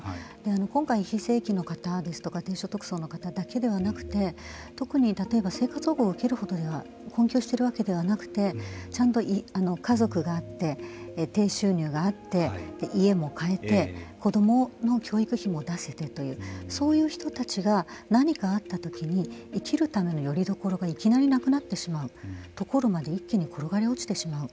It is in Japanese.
今回、非正規の方とか低所得層の方だけではなくて特に例えば、生活保護を受けるほど困窮しているわけではなくてちゃんと家族があって低収入があって家も買えて子どもの教育費も出せてというそういう人たちが何かあったときに生きるためのよりどころがいきなりなくなってしまうところまで一気に転がり落ちてしまう。